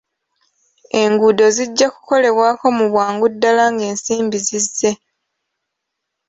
Enguudo zijja kukolebwako mu bwangu ddaala ng'ensimbi zizze.